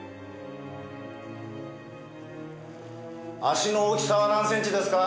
足の大きさは何センチですか？